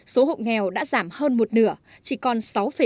số hộ nghèo đã giảm hơn một nửa chỉ còn sáu năm